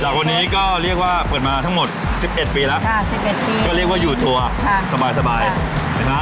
วันนี้ก็เรียกว่าเปิดมาทั้งหมด๑๑ปีแล้วค่ะ๑๑ปีก็เรียกว่าอยู่ตัวสบายนะฮะ